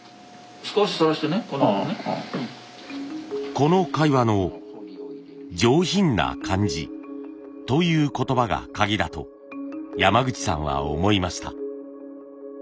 この会話の「上品な感じ」という言葉がカギだと山口さんは思いました。